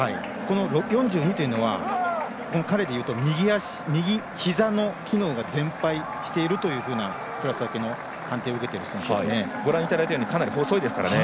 ４２というのは彼でいうと右ひざのきのうが全廃しているというようなクラス分けの判定を受けているんですね。